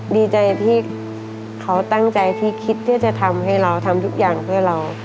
ดีใจที่เขาตั้งใจที่คิดที่จะทำให้เราทำทุกอย่างเพื่อเรา